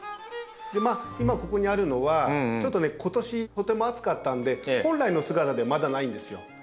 今ここにあるのはちょっとね今年とても暑かったんで本来の姿ではまだないんですよ。